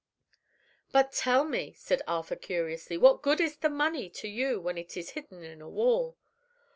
"But tell me," said Arthur curiously, "what good is the money to you when it is hidden in a wall?"